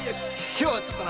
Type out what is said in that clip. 今日はちょっと。